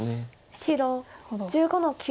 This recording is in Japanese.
白１５の九ノビ。